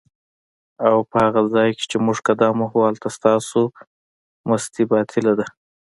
اوپه هغه ځای کی چی موږ قدم وهو هلته ستاسو مستی باطیله ده